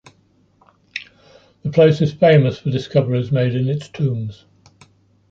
The place is famous for the discoveries made in its tombs.